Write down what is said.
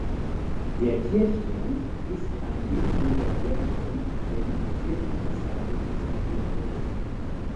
Der Kirchturm ist ein ehemaliger Wehrturm, der in die Kirchenfassade integriert wurde.